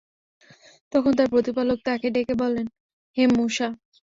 তখন তার প্রতিপালক তাকে ডেকে বললেন, হে মূসা!